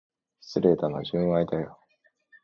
失礼だな、純愛だよ。